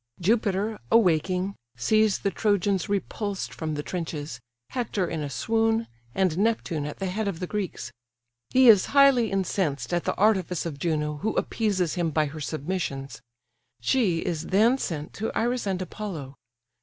Jupiter, awaking, sees the Trojans repulsed from the trenches, Hector in a swoon, and Neptune at the head of the Greeks: he is highly incensed at the artifice of Juno, who appeases him by her submissions; she is then sent to Iris and Apollo.